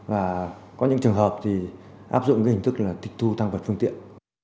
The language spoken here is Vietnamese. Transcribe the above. và có những trường hợp thì áp dụng cái hình thức là tịch thu tăng vật phương tiện